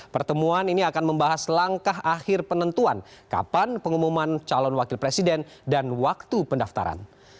pertemuan ini akan membahas langkah akhir penentuan kapan pengumuman calon wakil presiden dan waktu pendaftaran